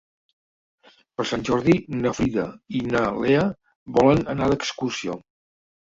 Per Sant Jordi na Frida i na Lea volen anar d'excursió.